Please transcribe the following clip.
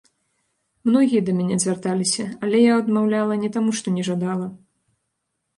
Многія да мяне звярталіся, але я адмаўляла не таму, што не жадала.